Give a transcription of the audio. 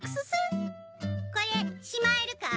これしまえるか？